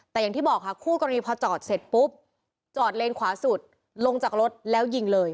แต่อย่างที่บอกค่ะคู่กรณีพอจอดเสร็จปุ๊บจอดเลนขวาสุดลงจากรถแล้วยิงเลย